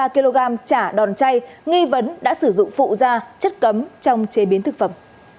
ba kg chả đòn chay nghi vấn đã sử dụng phụ da chất cấm trong chế biến thực phẩm